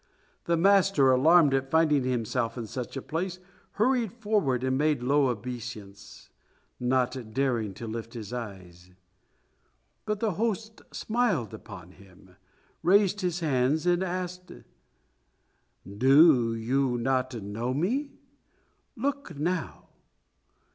The master, alarmed at finding himself in such a place, hurried forward and made a low obeisance, not daring to lift his eyes. But the host smiled upon him, raised his hands and asked, "Do you not know me? Look now."